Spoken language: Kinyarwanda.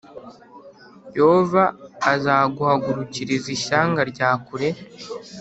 yehova azaguhagurukiriza ishyanga rya kure,+